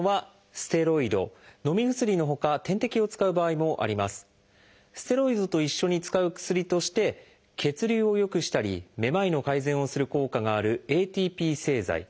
ステロイドと一緒に使う薬として血流を良くしたりめまいの改善をする効果があるＡＴＰ製剤。